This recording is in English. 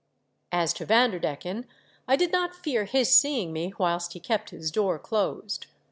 As to Van derdecken, I did not fear his seeing me whilst he kept his door closed.